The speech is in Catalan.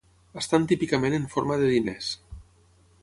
Estan típicament en forma de diners.